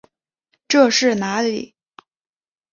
这是哪里？